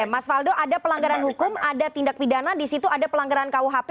mas faldo ada pelanggaran hukum ada tindak pidana di situ ada pelanggaran kuhp